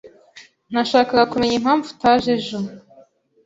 Nashakaga kumenya impamvu utaje ejo.